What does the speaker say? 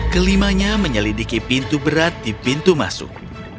kelimanya menyelidiki pintu berat di pintu masuk